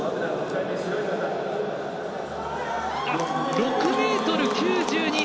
６ｍ９２。